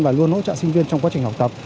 và luôn hỗ trợ sinh viên trong quá trình học tập